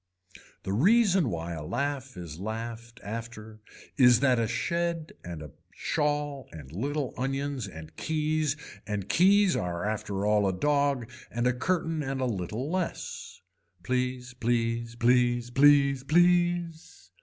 The reason why a laugh is laughed after is that a shed and a shawl and little onions and keys and keys are after all a dog and a curtain and a little less. Please please please please please.